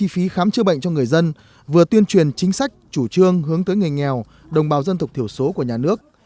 các tỉnh miền núi phía khám chữa bệnh cho người dân vừa tuyên truyền chính sách chủ trương hướng tới người nghèo đồng bào dân tộc thiểu số của nhà nước